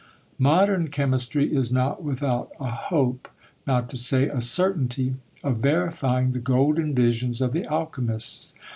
Modern chemistry is not without a hope, not to say a certainty, of verifying the golden visions of the alchymists.